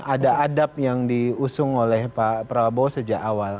ada adab yang diusung oleh pak prabowo sejak awal